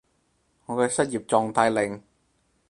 我嘅失業狀態令